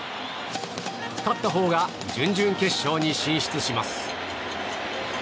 勝ったほうが準々決勝に進出します。